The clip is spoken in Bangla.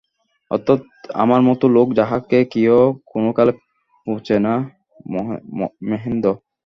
অর্থাৎ আমার মতো লোক, যাহাকে কেহ কোনোকালে পোঁছে না- মেহেন্দ্র।